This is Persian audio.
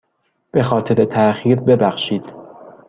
به خاطر تاخیر ببخشید.